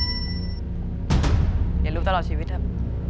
เรียนรู้ตลอดชีวิตครับ